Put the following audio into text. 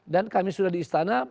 dan kami sudah di istana